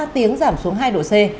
ba tiếng giảm xuống hai độ c